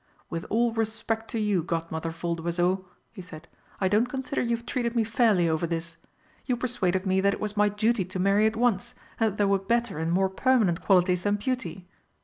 "With all respect to you, Godmother Voldoiseau," he said, "I don't consider you've treated me fairly over this! You persuaded me that it was my duty to marry at once, and that there were better and more permanent qualities than beauty.